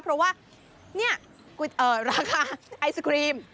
เพราะว่านี่ราคาไอศครีม